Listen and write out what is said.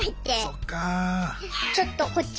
そっか。